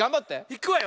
いくわよ。